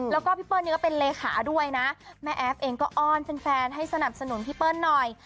แล้วก็พี่เปิ้ลนี้ก็เป็นเลขาด้วยนะแม่แอฟเองก็อ้อนแฟนให้สนับสนุนพี่เปิ้ลหน่อย